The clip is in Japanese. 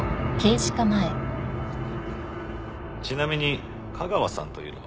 ちなみに架川さんというのは。